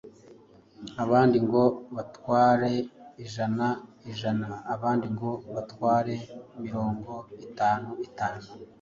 abandi ngo batware ijana ijana, abandi ngo batware mirongo itanu itanu